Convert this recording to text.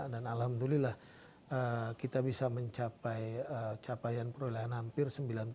dan alhamdulillah kita bisa mencapai capaian perulahan hampir